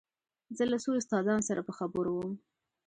زه له څو استادانو سره په خبرو وم.